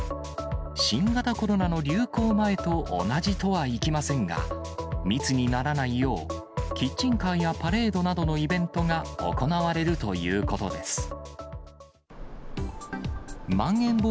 新型コロナの流行前と同じとはいきませんが、密にならないよう、キッチンカーやパレードなどのイベントが行われるということです。